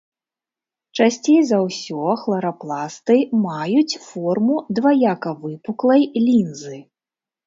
Часцей за ўсё хларапласты маюць форму дваякавыпуклай лінзы.